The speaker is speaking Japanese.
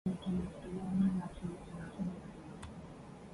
しかしこの時吾輩の心臓はたしかに平時よりも烈しく鼓動しておった